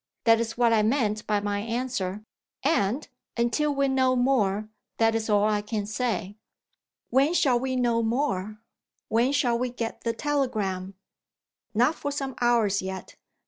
That is what I meant by my answer; and, until we know more, that is all I can say." "When shall we know more? When shall we get the telegram?" "Not for some hours yet.